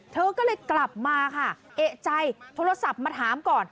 เธอก็เลยกลับมาค่ะเอกใจโทรศัพท์มาถามก่อน